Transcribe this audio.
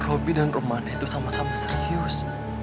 robi dan rumana itu sama sama serius